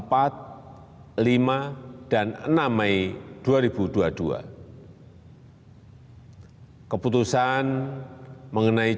keputusan mengenai cuti bersama ini akan diatur lebih rinci melalui keputusan bersama menteri menteri terkait